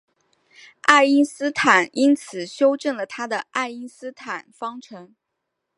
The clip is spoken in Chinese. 爱因斯坦因此修正了他的爱因斯坦方程。